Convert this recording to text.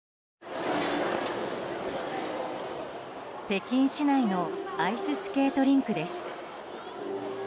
北京市内のアイススケートリンクです。